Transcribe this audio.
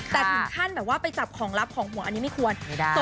แต่ถึงขั้นไปกับของอีกลับที่น่าควร